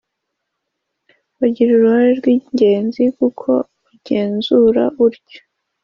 bagira uruhare rw,ingenzi kuko bugenzura butyo.